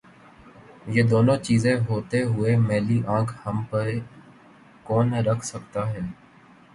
یہ دونوں چیزیں ہوتے ہوئے میلی آنکھ ہم پہ کون رکھ سکتاہے؟